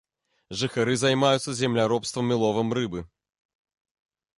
Жыхары займаюцца земляробствам і ловам рыбы.